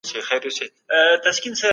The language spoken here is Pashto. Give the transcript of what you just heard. سپي غاپیږي.